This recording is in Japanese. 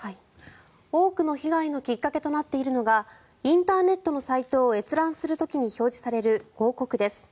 多くの被害のきっかけとなっているのがインターネットのサイトを閲覧する時に表示される広告です。